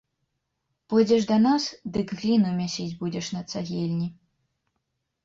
Пойдзеш да нас, дык гліну мясіць будзеш на цагельні.